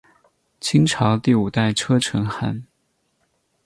清朝第五代车臣汗。